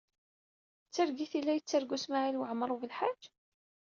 D targit ay la yettargu Smawil Waɛmaṛ U Belḥaǧ?